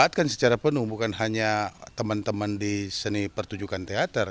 saatkan secara penuh bukan hanya teman teman di seni pertunjukan teater